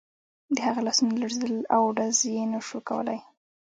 د هغه لاسونه لړزېدل او ډز یې نه شو کولای